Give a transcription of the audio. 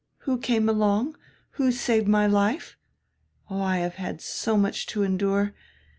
Who came along? Who saved my life? Oh, I have had so much to endure.